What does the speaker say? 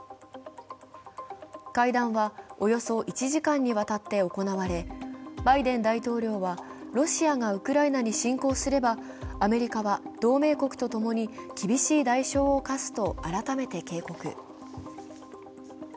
会談はおよそ１時間にわたって行われバイデン大統領はロシアがウクライナに侵攻すれば、アメリカは同盟国とともに厳しい代償を科すと改めて警告。